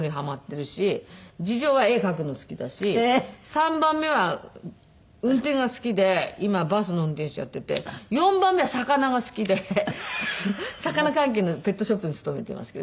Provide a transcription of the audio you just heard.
３番目は運転が好きで今バスの運転手やっていて４番目は魚が好きで魚関係のペットショップに勤めていますけど。